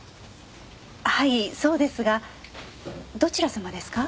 はいそうですがどちら様ですか？